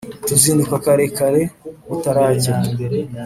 Tuzinduka kare kare butaracya